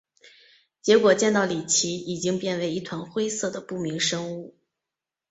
结果见到李奇已经变为一团灰色的不明生物。